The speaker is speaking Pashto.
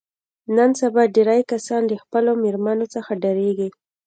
نن سبا ډېری کسان له خپلو مېرمنو څخه ډارېږي.